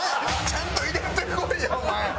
ちゃんと入れてこいよお前！